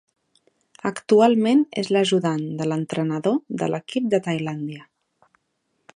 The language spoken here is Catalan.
Actualment és l'ajudant de l'entrenador de l'equip de Tailàndia.